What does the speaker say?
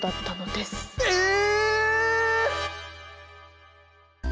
ええ！？